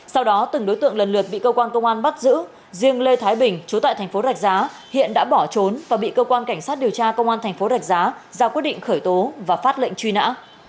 sau đó từng đối tượng lần lượt bị cơ quan công an bắt giữ riêng lê thái bình chú tại thành phố rạch giá hiện đã bỏ trốn và bị cơ quan cảnh sát điều tra công an thành phố rạch giá ra quyết định khởi tố và phát lệnh truy nã